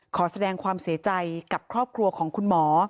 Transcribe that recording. ขอแสดงความเสียใจกับครอบครัวของคุณหมอ